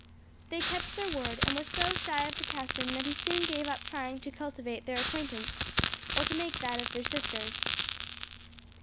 They kept their word and were so shy of the captain that he soon gave up trying to cultivate their acquaintance, or to make that of their sisters.